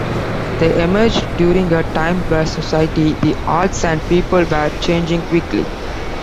They emerged during a time where society, the arts and people were changing quickly.